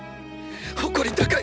誇り高い！